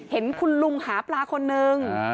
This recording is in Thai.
เห็นคุณลุงหาปลาคนนึง